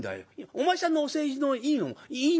お前さんのお世辞のいいのもいいんだよ。